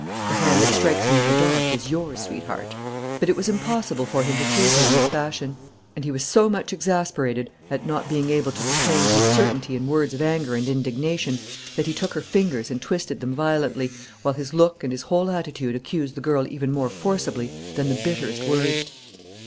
The hand that strikes me in the dark is yours, sweetheart." But it was impossible for him to treat her in this fashion; and he was so much exasperated at not being able to proclaim his certainty in words of anger and indignation that he took her fingers and twisted them violently, while his look and his whole attitude accused the girl even more forcibly than the bitterest words.